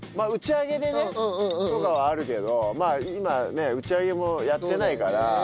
打ち上げでねとかはあるけど今ね打ち上げもやってないから。